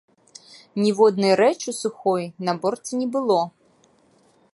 Ніводнай рэчы сухой на борце не было.